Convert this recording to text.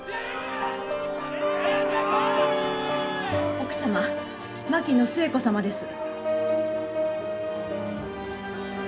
・奥様槙野寿恵子様です。